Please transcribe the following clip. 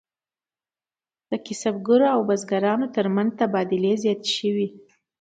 د کسبګرو او بزګرانو ترمنځ تبادلې زیاتې شوې.